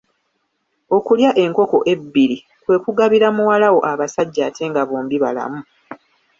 Okulya enkoko ebbiri kwe kugabira muwala wo abasajja ate nga bombi balamu.